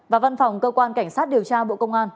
và văn phòng cơ quan cảnh sát điều tra bộ công an